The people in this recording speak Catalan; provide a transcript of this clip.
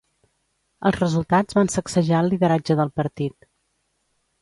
Els resultats van sacsejar el lideratge del partit.